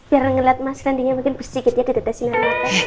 biar ngeliat mas rendynya mungkin bersih gitu ya di tetesin aja mata